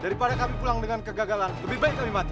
daripada kami pulang dengan kegagalan lebih baik kami mati